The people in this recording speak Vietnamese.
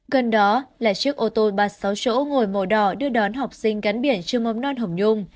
gần đó là chiếc ô tô ba mươi sáu chỗ ngồi màu đỏ đưa đón học sinh gắn biển trường mầm non hồng nhung